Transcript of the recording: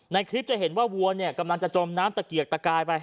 ในคลิปจะเห็นว่าวัวเนี่ยกำลังจะจมน้ำตะเกียกตะกายไป